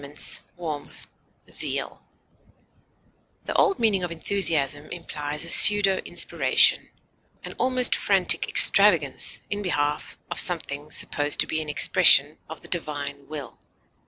ecstasy, fervor, rapture, The old meaning of enthusiasm implies a pseudo inspiration, an almost frantic extravagance in behalf of something supposed to be an expression of the divine will.